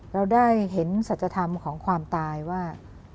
เราได้เห็นสัจธรรมของความตายว่า